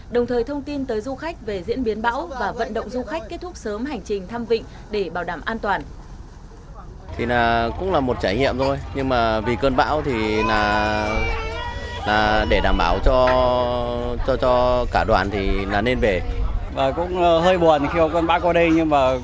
đồng thời thông tin tới du khách về diễn biến bão và vận động du khách kết thúc sớm hành trình thăm vịnh để bảo đảm an toàn